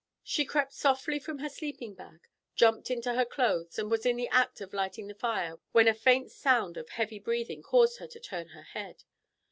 She crept softly from her sleeping bag, jumped into her clothes, and was in the act of lighting the fire when a faint sound of heavy breathing caused her to turn her head.